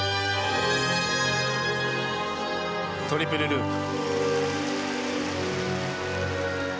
トリプルループ。